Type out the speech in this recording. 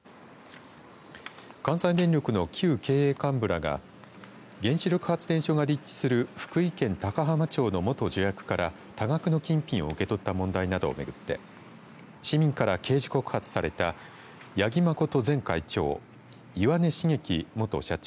関西電力の旧経営幹部らが原子力発電所が立地する福井県高浜町の元助役から多額の金品を受け取った問題などをめぐって市民から刑事告発された八木誠前会長岩根茂樹元社長